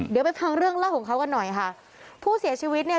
เดี๋ยวไปฟังเรื่องเล่าของเขากันหน่อยค่ะผู้เสียชีวิตเนี่ย